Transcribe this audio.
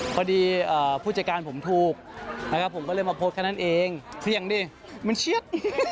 ผู้จัดการผมถูกนะครับผมก็เลยมาโพสต์แค่นั้นเองเสี่ยงดิมันเชียด